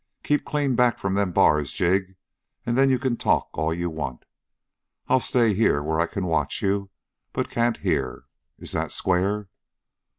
Keep clean back from them bars, Jig, and then you can talk all you want. I'll stay here where I can watch you but can't hear. Is that square?"